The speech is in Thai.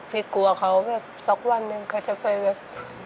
พี่กลัวเค้าแบบสักวันนึงเค้าจะไปแบบ